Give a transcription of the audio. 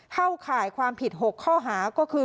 เข้าข่ายความผิด๖ข้อหาก็คือ